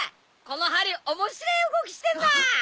この針面白え動きしてんな。